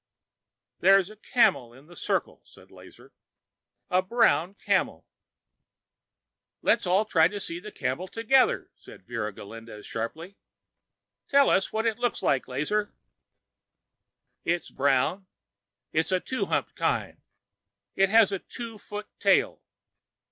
"There is a camel in the circle," said Lazar, "a brown camel." "Let's all try and see the camel together," said Vera Galindez sharply. "Tell us what it looks like, Lazar." "It's brown, it's the two humped kind, it has a two foot tail."